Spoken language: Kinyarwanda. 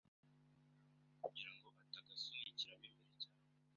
kugirango atagasunikiramo imbere cyane